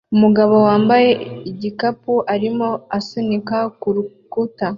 Umugabo wambaye igikapu arimo asunika kurukuta